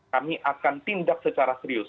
kami akan tindak secara serius